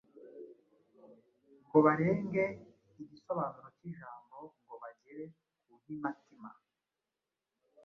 ngo barenge igisobanuro cy‟ijambo ngo bagere ku ntimatima